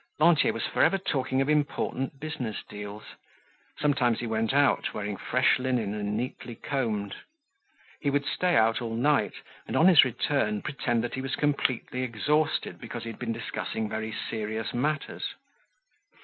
Lantier was forever talking of important business deals. Sometimes he went out, wearing fresh linen and neatly combed. He would stay out all night and on his return pretend that he was completely exhausted because he had been discussing very serious matters.